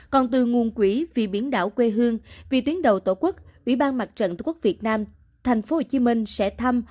còn từ nguồn quỹ vì biển đảo quê hương vì tuyến đầu tổ quốc ủy ban mặt trận tổ quốc việt nam thành phố hồ chí minh sẽ thăm